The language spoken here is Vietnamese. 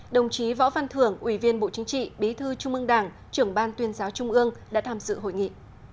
đồng chí võ văn thưởng ủy viên bộ chính trị bí thư trung ương đảng trưởng ban tuyên giáo trung ương đã tham dự hội nghị